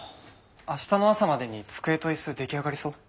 明日の朝までに机と椅子出来上がりそう？